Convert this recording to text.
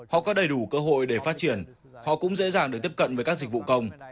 họ có đầy đủ cơ hội để phát triển họ cũng dễ dàng được tiếp cận với các dịch vụ công